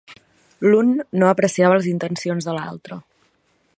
L'un no apercebia les intencions de l'altre.